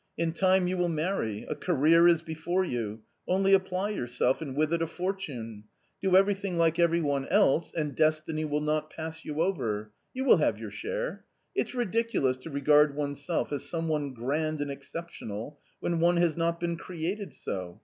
In time you will marry ; a career is before you; only apply yourself; and with it a fortune. Do everything like every one else, and destiny J will not pass you over; you will have your share. It's I ridiculous to regard oneself as some one grand and excep / tional when one has not been created so